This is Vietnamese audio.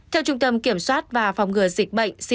theo trung tâm kiểm soát và phòng ngừa dịch bệnh